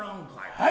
はい。